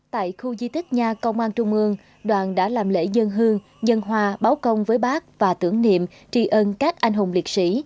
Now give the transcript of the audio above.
tại khu di tích nha công an trung ương đoàn đã làm lễ dân hương nhân hòa báo công với bác và tưởng niệm trì ơn các anh hùng liệt sĩ